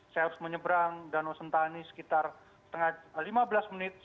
saya harus menyeberang danau sentani sekitar lima belas menit